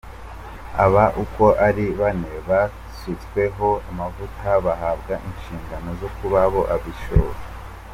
Aba uko ari bane basutsweho amavuta bahabwa inshingano zo kuba aba Bishops.